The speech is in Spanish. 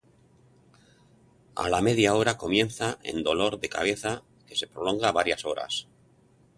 A la media hora comienza en dolor de cabeza que se prolonga varias horas.